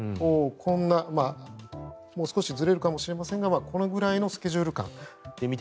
こんなもう少しずれるかもしれませんがこれぐらいのスケジュール感。